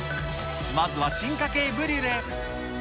まずは進化系ブリュレ。